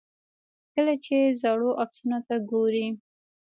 کله چې زاړو عکسونو ته ګورئ.